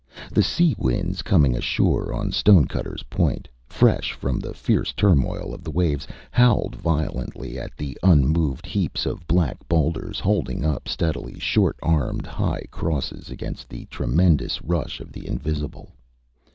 The sea winds coming ashore on StonecutterÂs point, fresh from the fierce turmoil of the waves, howled violently at the unmoved heaps of black boulders holding up steadily short armed, high crosses against the tremendous rush of the invisible.